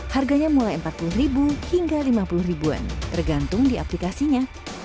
harganya mulai empat puluh ribu hingga lima puluh ribuan tergantung di aplikasinya